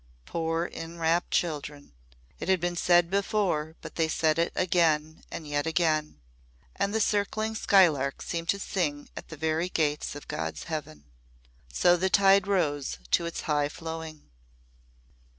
Poor enrapt children! It has been said before, but they said it again and yet again. And the circling skylark seemed to sing at the very gates of God's heaven. So the tide rose to its high flowing.